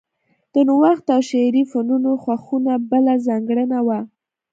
د نوښت او شعري فنونو خوښونه بله ځانګړنه وه